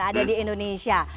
ada di indonesia